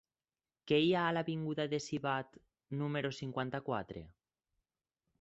Què hi ha a l'avinguda de Sivatte número cinquanta-quatre?